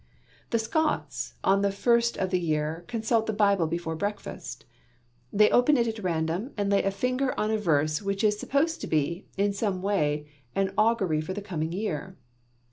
The Scots on the first of the year consult the Bible before breakfast. They open it at random and lay a finger on a verse which is supposed to be, in some way, an augury for the coming year.